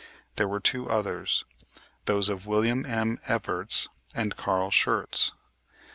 There were two others, those of William M. Evarts and Carl Schurz.